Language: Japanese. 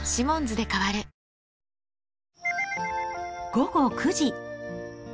午後９時。